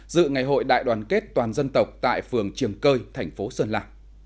dự ngày hội đại đoàn kết toàn dân tộc tại phường triềng cơi thành phố sơn la